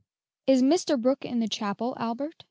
"Is Mr. Brooke in the chapel, Albeit?"